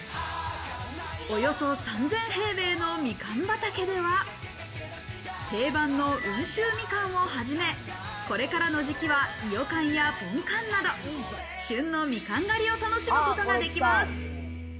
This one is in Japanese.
およそ３０００平米のみかん畑では、定番の温州みかんをはじめ、これからの時期は伊予柑やポンカンなど、旬のみかん狩りを楽しむことができます。